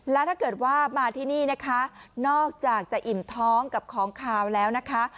แล้วถ้าเกิดว่ามาที่นี่นะคะนอกจากจะอิ่มท้องกับของขาวแล้วนะคะ